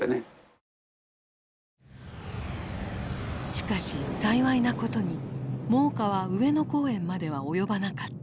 しかし幸いなことに猛火は上野公園までは及ばなかった。